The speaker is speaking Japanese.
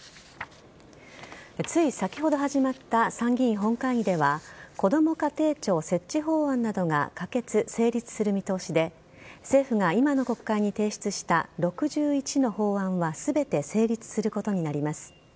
つい先ほど始まった参議院本会議ではこども家庭庁設置法案などが可決・成立する見通しで政府が今の国会に提出した６１の法案は全て成立することになります。